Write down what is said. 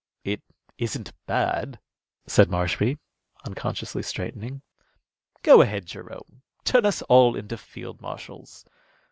_" "It isn't bad," said Marshby, unconsciously straightening. "Go ahead, Jerome. Turn us all into field marshals."